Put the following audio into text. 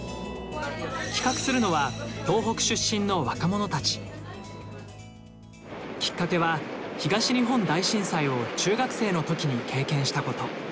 企画するのはきっかけは東日本大震災を中学生の時に経験したこと。